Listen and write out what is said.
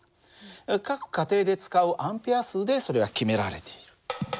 各家庭で使うＡ数でそれは決められている。